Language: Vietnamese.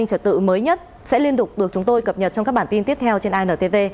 diễn biến an ninh trật tự mới nhất sẽ liên đục được chúng tôi cập nhật trong các bản tin tiếp theo trên intv